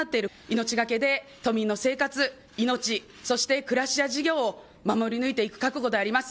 命がけで、都民の生活、命、そして暮らしや事業を守り抜いていく覚悟であります。